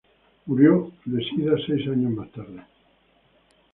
Murió de sida seis años más tarde.